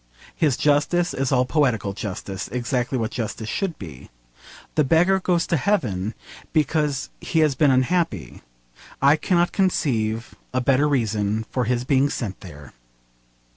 His justice is all poetical justice, exactly what justice should be. The beggar goes to heaven because he has been unhappy. I cannot conceive a better reason for his being sent there.